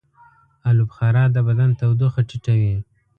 آلوبخارا د بدن تودوخه ټیټوي.